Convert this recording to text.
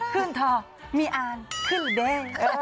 ขึ้นทอมีอ่านขึ้นแดง